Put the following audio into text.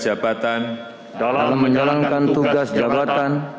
bahwa saya dalam menjalankan tugas jabatan